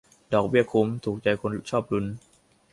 ดอกเบี้ยคุ้ม ถูกใจคนชอบลุ้น